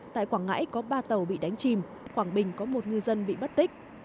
tại quảng ngãi có ba tàu bị đánh chìm quảng bình có một ngư dân bị bắt tích